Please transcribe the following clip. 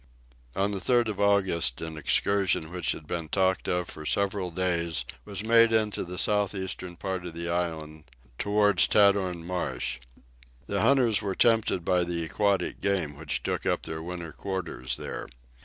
On the 3rd of August an excursion which had been talked of for several days was made into the southeastern part of the island, towards Tadorn Marsh. The hunters were tempted by the aquatic game which took up their winter quarters there.